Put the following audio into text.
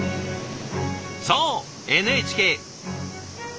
そうＮＨＫ。